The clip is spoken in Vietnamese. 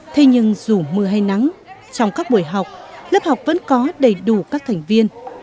thế nhưng dù mưa hay nắng trong các buổi học lớp học vẫn có đầy đủ các thành viên